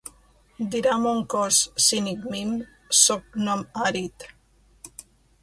Dirà mon cos, cínic mim, sóc nom àrid.